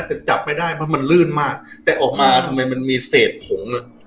แต่จับไม่ได้เพราะมันลื่นมากแต่ออกมาทำไมมันมีเศษผงอ่ะ